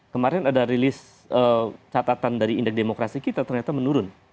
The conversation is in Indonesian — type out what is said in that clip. kemarin ada rilis catatan dari indeks demokrasi kita ternyata menurun